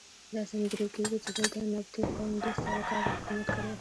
داسې انګېرل کېږي چې دلته نبطي قوم دوه سوه کاله حکومت کړی.